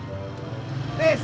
panjangnya gini iris